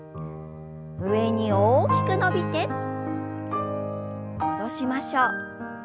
上に大きく伸びて戻しましょう。